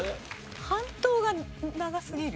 半島が長すぎる？